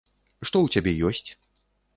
Што ў цябе ёсць?